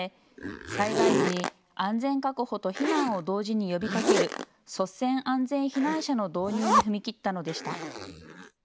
災害時に安全確保と避難を同時に呼びかける率先安全避難者の導入に踏み切ったのでした。